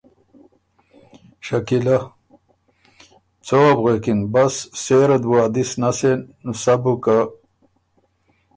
شکیلۀ ـــ څۀ وه بو غوېکِن۔ بس سېره ت بُو ا دِس نسېن۔ سَۀ بُو که۔۔۔۔۔